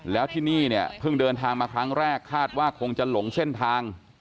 แล้วที่นี่เนี่ยเพิ่งเดินทางมาครั้งแรกคาดว่าคงจะหลงเส้นทาง